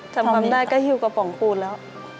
ทำความได้ก็หิวกระป๋องปูนแล้ว